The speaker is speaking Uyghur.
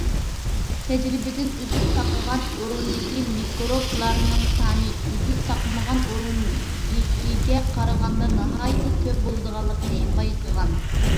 تەجرىبىدىن ئۈزۈك تاقىغان ئورۇندىكى مىكروبلارنىڭ سانى ئۈزۈك تاقىمىغان ئورۇندىكىگە قارىغاندا ناھايىتى كۆپ بولىدىغانلىقىنى بايقىغان.